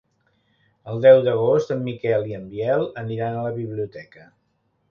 El deu d'agost en Miquel i en Biel aniran a la biblioteca.